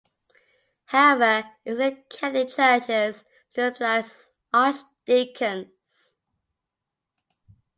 However, Eastern Catholic Churches still utilize archdeacons.